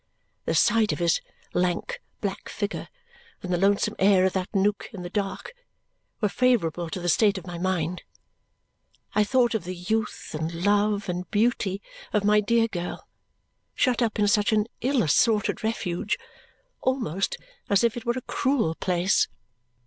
The sight of his lank black figure and the lonesome air of that nook in the dark were favourable to the state of my mind. I thought of the youth and love and beauty of my dear girl, shut up in such an ill assorted refuge, almost as if it were a cruel place.